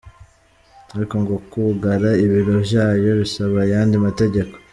Ariko ngo kwugara ibiro vyayo bisaba ayandi mategeko.